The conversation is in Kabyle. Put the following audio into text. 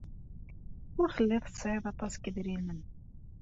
Ur telliḍ tesɛiḍ aṭas n yedrimen.